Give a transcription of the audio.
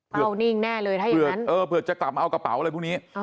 นิ่งแน่เลยถ้าอย่างนั้นเออเผื่อจะกลับมาเอากระเป๋าอะไรพวกนี้